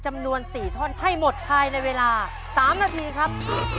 จำนวน๔ท่อนให้หมดภายในเวลา๓นาทีครับ